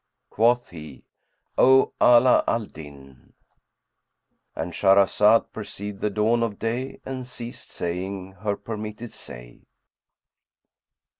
Quoth he, "O Ala al Din"— And Shahrazed perceived the dawn of day and ceased saying her permitted say.